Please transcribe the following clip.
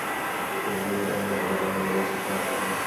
তিন্নি অন্য কোনো গ্রহের মেয়ে, এই যুক্তি হাস্যকর।